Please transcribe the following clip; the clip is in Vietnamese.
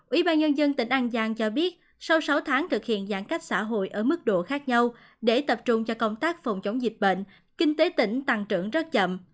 ủy ban nhân dân tỉnh an giang cho biết sau sáu tháng thực hiện giãn cách xã hội ở mức độ khác nhau để tập trung cho công tác phòng chống dịch bệnh kinh tế tỉnh tăng trưởng rất chậm